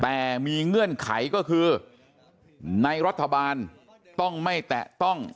แต่มีเงื่อนไขก็คือในรัฐบาลต้องไม่แตะต้อง